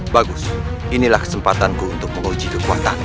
bagus inilah kesempatanku untuk menguji kekuatanku